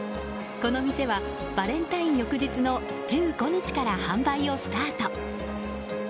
この店はバレンタイン翌日の１５日から販売をスタート。